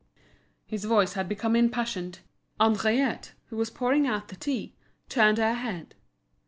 His voice had become impassioned. Henriette, who was pouring out the tea, turned her head.